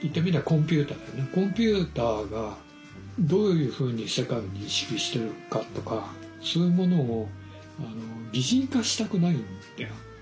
コンピューターがどういうふうに世界を認識しているかとかそういうものを擬人化したくないんだよ。